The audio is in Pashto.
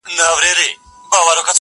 د ناز خواړه يا بل منگه وي، يا تروه.